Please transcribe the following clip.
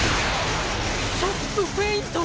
チョップ・フェイント！？